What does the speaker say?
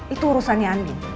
itu urusannya andi